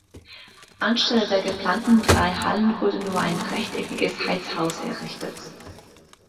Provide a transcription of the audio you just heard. Anstelle der geplanten drei Hallen wurde nur ein rechteckiges Heizhaus errichtet.